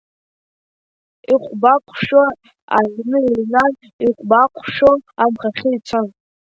Иҟәбаҟәшәо аҩны иҩнан, иҟәбаҟәшәо амхахьы ицон.